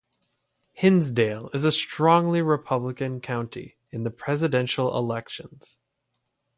Hinsdale is a strongly Republican county in Presidential elections.